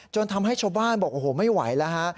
จนทำให้ชาวบ้านบอกไม่ไหวแล้วค่ะ